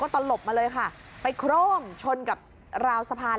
ตอนหลบมาเลยค่ะไปโคร่มชนกับราวสะพาน